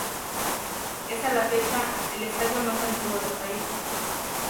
Es a la fecha, el estadio más antiguo del país.